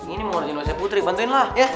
ini mau kerjain wc putri bantuin lah